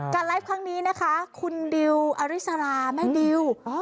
การไลฟ์ครั้งนี้นะคะคุณดิวอริสราแม่นิว